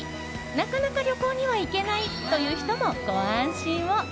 なかなか旅行には行けないという人もご安心を。